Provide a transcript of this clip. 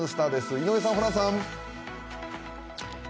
井上さん、ホランさん。